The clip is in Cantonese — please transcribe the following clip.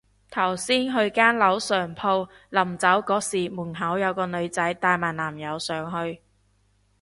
頭先去間樓上鋪，臨走嗰時門口有個女仔帶埋男友上去